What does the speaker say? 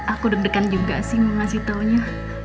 aku deg degan juga sih mau ngasih taunya